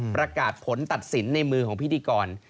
ประกาศผลตัดสินในมือของพิธีกร